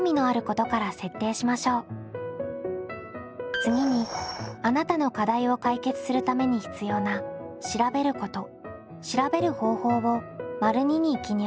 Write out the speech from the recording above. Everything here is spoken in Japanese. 次にあなたの課題を解決するために必要な「調べること」「調べる方法」を②に記入します。